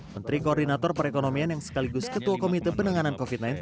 menteri koordinator perekonomian yang sekaligus ketua komite penanganan covid sembilan belas